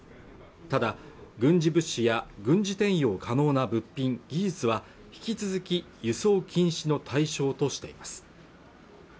ただ軍事物資や軍事転用可能な物品技術は引き続き輸送禁止の対象としています